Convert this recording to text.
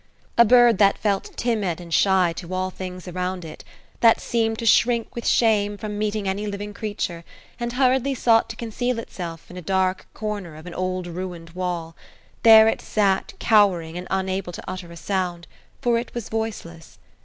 A bird that felt timid and shy to all things around it, that seemed to shrink with shame from meeting any living creature, and hurriedly sought to conceal itself in a dark corner of an old ruined wall; there it sat cowering and unable to utter a sound, for it was voiceless.